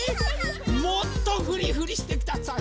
もっとふりふりしてください。